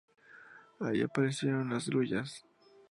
Allí aparecieron las grullas.